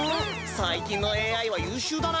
最近のＡＩは優秀だな！